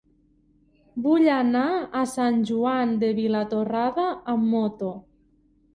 Vull anar a Sant Joan de Vilatorrada amb moto.